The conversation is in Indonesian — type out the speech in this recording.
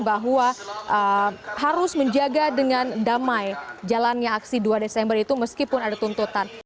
bahwa harus menjaga dengan damai jalannya aksi dua desember itu meskipun ada tuntutan